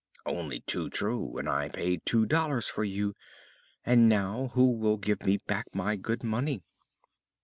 "Only too true. And I paid two dollars for you. And now, who will give me back my good money?"